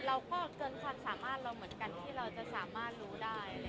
เราก็เกินความสามารถที่เราจะสามารถรู้ได้